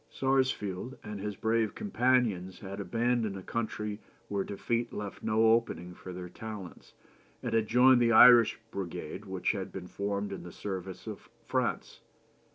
Sarsfield and his brave companions had abandoned a country where defeat left no opening for their talents, and had joined the Irish Brigade which had been formed in the service of France....